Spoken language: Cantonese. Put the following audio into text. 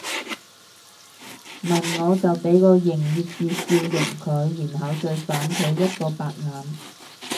問我就俾個營業式笑容佢然後再反佢一個白眼